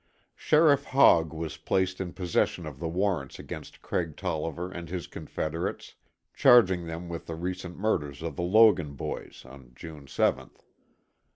Sheriff Hogg was placed in possession of the warrants against Craig Tolliver and his confederates, charging them with the recent murders of the Logan boys (June 7th).